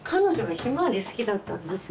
ヒマワリ好きだったんですよ。